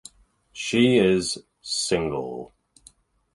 She is single.